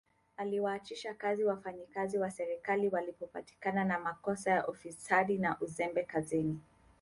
Aliwaachisha kazi wafanyikazi wa serikali waliopatikana na makosa ya ufisadi na uzembe kazini